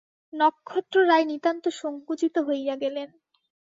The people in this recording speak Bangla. নক্ষত্ররায় নিতান্ত সংকুচিত হইয়া গেলেন।